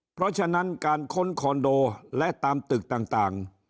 เพราะฉะนั้นการค้นคอนโดและตามตึกต่าง